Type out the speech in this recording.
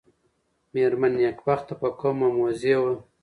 مېرمن نېکبخته په قوم مموزۍ وه.